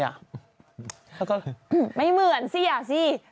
เขาก็ไม่เหมือนสิอย่าสิ